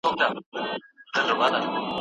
په سندرو، په ټپو په خندا ګانو